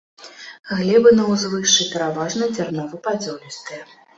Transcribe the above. Глебы на ўзвышшы пераважна дзярнова-падзолістыя.